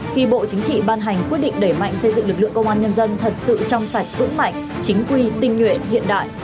khi bộ chính trị ban hành quyết định đẩy mạnh xây dựng lực lượng công an nhân dân thật sự trong sạch vững mạnh chính quy tinh nguyện hiện đại